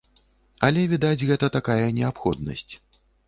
Але, відаць, гэта такая неабходнасць.